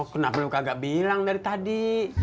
kenapa lu kagak bilang dari tadi